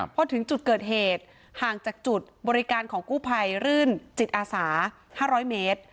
พอถึงจุดเกิดเหตุห่างจากจุดบริการของกู้ภัยรื่นจิตอาสา๕๐๐เมตร